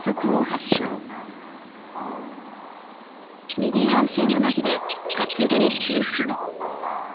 右半身のまひで活動休止に。